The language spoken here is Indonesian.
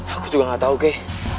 aku juga gak tau oke